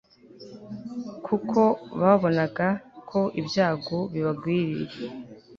kuko babonaga ko ibyago bibagwiririye